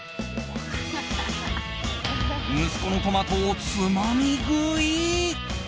息子のトマトをつまみ食い。